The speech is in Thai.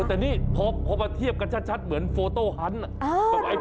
แต่นี่พอมาเทียบกันชัดเหมือนโฟโต้ฮันต์